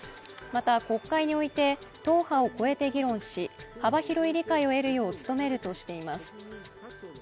また、国会において党派を超えて議論し、幅広い理解を得るよう努めるとしています。